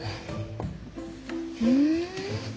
ふん。